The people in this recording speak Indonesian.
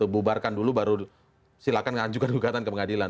bubarkan dulu baru silakan mengajukan gugatan ke pengadilan